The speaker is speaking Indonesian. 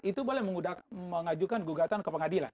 itu boleh mengajukan gugatan ke pengadilan